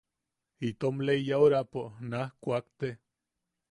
Itom lei yaʼuraapo naj kuakte.